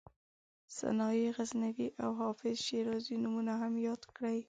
سنایي غزنوي او حافظ شیرازي نومونه هم یاد کړي.